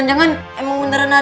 mana makanannya pak d katanya ada